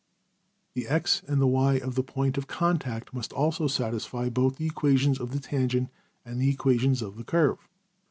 The $x$ and the $y$ of the point of contact must also satisfy both the equation of the tangent and the equation of the curve.